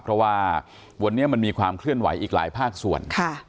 เพราะว่าวันนี้มันมีความเคลื่อนไหวอีกหลายภาคส่วน